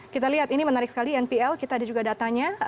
kita lihat ini menarik sekali npl kita ada juga datanya